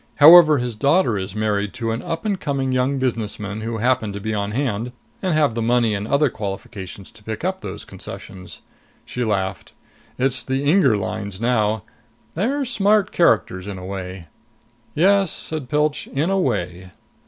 However, his daughter is married to an up and coming young businessman who happened to be on hand and have the money and other qualifications to pick up those concessions." She laughed. "It's the Inger Lines now. They're smart characters, in a way!" "Yes," said Pilch. "In a way.